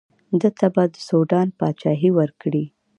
ده ته به د سوډان پاچهي ورکړي.